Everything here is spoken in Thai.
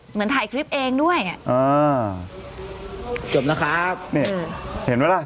โห้ยสงสารอ่ะ